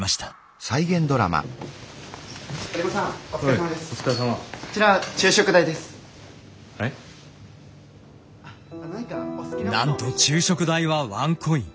なんと昼食代はワンコイン。